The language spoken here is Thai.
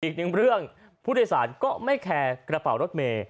อีกหนึ่งเรื่องผู้โดยสารก็ไม่แคร์กระเป๋ารถเมย์